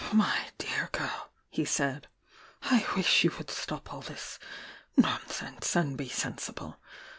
"Mv dear girl," he said. "I wish you would stop all this nonsense and be sensible